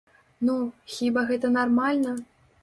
Ну, хіба гэта нармальна?